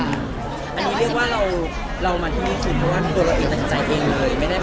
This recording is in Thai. อันนี้เรียกว่าเรามาที่นี่ทุนเพราะว่าตัวเราเองตัดสินใจเองเลย